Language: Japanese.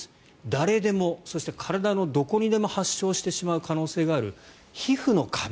誰でも、そして体のどこにでも発症してしまう可能性がある皮膚のカビ。